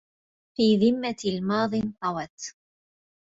في ذمة الماضي انطوت